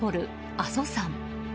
阿蘇山。